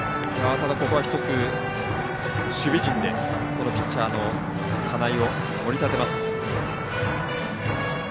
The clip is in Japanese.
ただ、ここは一つ守備陣でこのピッチャーの金井を盛り立てます。